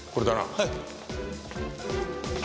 はい。